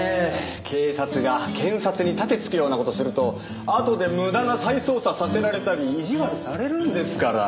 警察が検察に盾突くような事をするとあとで無駄な再捜査させられたり意地悪されるんですから。